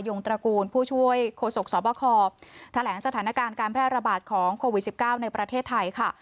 งตระกูลผู้ช่วยโฆษกสบคแถลงสถานการณ์การแพร่ระบาดของโควิด๑๙ในประเทศไทยค่ะ